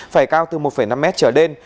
phải cao từ một năm mét trở lên